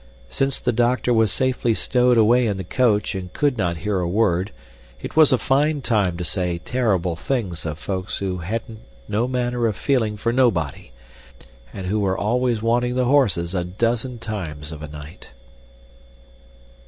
Since the doctor was safely stowed away in the coach and could not hear a word, it was a fine time to say terrible things of folks who hadn't no manner of feeling for nobody, and who were always wanting the horses a dozen times of a night.